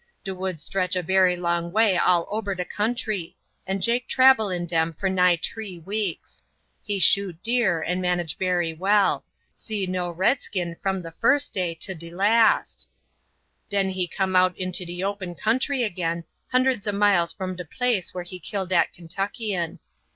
De woods stretch a bery long way all ober de country, and Jake trabel in dem for nigh t'ree weeks. He shoot deer and manage bery well; see no redskin from the first day to de last; den he come out into de open country again, hundreds ob miles from de place where he kill dat Kentuckian.